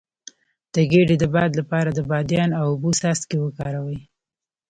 د ګیډې د باد لپاره د بادیان او اوبو څاڅکي وکاروئ